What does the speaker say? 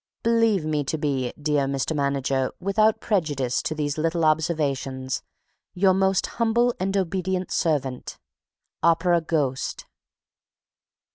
Believe me to be, dear Mr. Manager, without prejudice to these little observations, Your Most Humble and Obedient Servant, OPERA GHOST.